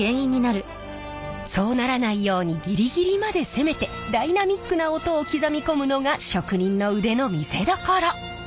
そうならないようにギリギリまで攻めてダイナミックな音を刻み込むのが職人の腕の見せどころ。